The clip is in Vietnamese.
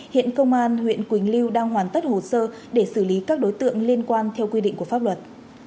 hiện công an huyện quỳnh lưu đang hoàn tất hồ sơ để xử lý các đối tượng liên quan theo quy định của pháp luật